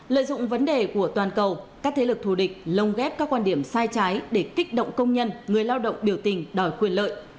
lợi dụng vấn đề của toàn cầu các thế lực thù địch lồng ghép các quan điểm sai trái để kích động công nhân người lao động biểu tình đòi quyền lợi